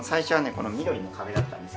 この緑の壁だったんです。